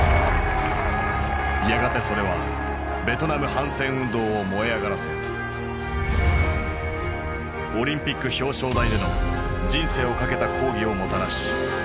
やがてそれはベトナム反戦運動を燃え上がらせオリンピックの表彰台での人生をかけた抗議をもたらし。